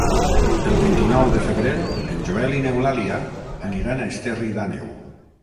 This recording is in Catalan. El vint-i-nou de febrer en Joel i n'Eulàlia aniran a Esterri d'Àneu.